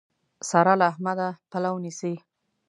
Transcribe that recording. سارا له احمده پلو نيسي.